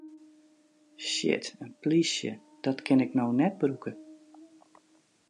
Shit, in plysje, dat kin ik no net brûke!